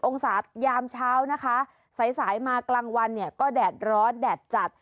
๑๗๑๘๑๙๒๐องศายามเช้าสายมากลางวันก็แดดร้อนแดดจัด